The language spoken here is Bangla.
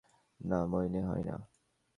না, মনে হয় না।